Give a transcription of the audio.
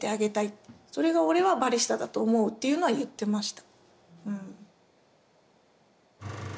それが俺はバリスタだと思うっていうのは言ってました。